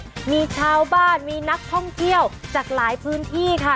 มีชาวบ้านมีนักท่องเที่ยวจากหลายพื้นที่ค่ะ